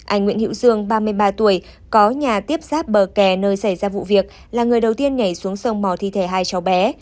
anh nguyễn hữu dương ba mươi ba tuổi có nhà tiếp giáp bờ kè nơi xảy ra vụ việc là người đầu tiên nhảy xuống sông mò thi thể hai cháu bé